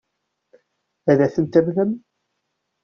Ad tent-tamen?